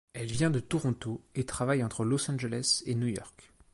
Elle vient de Toronto et travaille entre Los Angeles et New York.